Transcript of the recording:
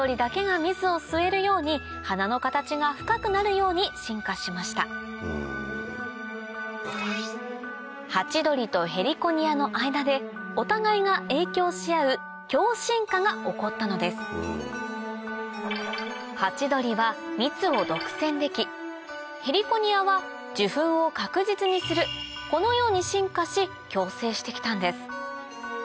ように進化しましたハチドリとヘリコニアの間でお互いが影響しあう共進化が起こったのですハチドリは蜜を独占できヘリコニアは受粉を確実にするこのように進化し共生してきたんです